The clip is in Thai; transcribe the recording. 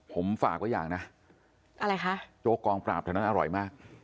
ผมฝากไว้อย่างนะอะไรคะโจ๊กกองปราบเท่านั้นอร่อยมาก